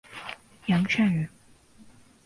杨善人。